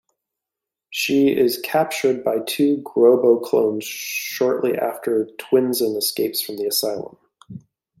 She is captured by two Grobo clones shortly after Twinsen escapes from the asylum.